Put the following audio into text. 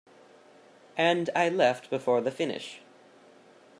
And I left before the finish.